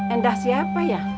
endah siapa ya